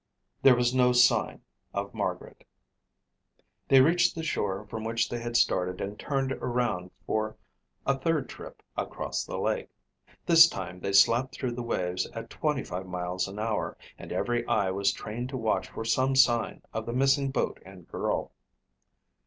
There was no sign of Margaret. They reached the shore from which they had started and turned around for a third trip across the lake. This time they slapped through the waves at twenty five miles an hour and every eye was trained to watch for some sign of the missing boat and girl.